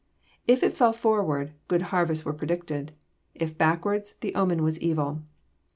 If it fell forward, good harvests were predicted; if backward, the omen was evil.